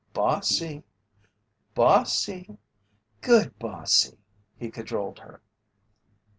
"Bossy! Bossy! Good bossy!" he cajoled her.